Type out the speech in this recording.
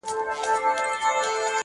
زما رباب کي د یو چا د زلفو تار دی,